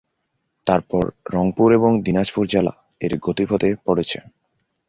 তারপর রংপুর এবং দিনাজপুর জেলা এর গতিপথে পড়েছে।